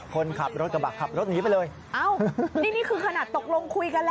คนขับรถกระบะขับรถหนีไปเลยเอ้านี่นี่คือขนาดตกลงคุยกันแล้ว